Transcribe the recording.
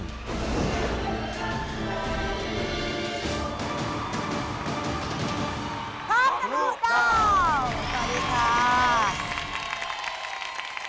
ท้อมทะลุดาวสวัสดีครับ